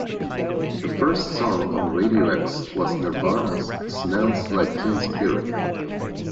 The first song on Radio X was Nirvana's "Smells Like Teen Spirit".